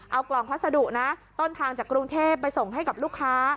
เอากล่องพัสดุนะต้นทางจากกรุงเทพไปส่งให้กับลูกค้า